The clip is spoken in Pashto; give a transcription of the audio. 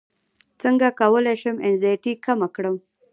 څنګه کولی شم انزیتي کمه کړم